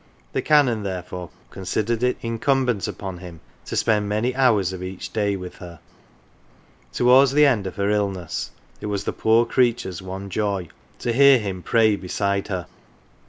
The Canon therefore considered it incumbent on him to spend many hours of each day with her. Towards the end of her illness, it was the poor creature's one joy to hear him pray beside her.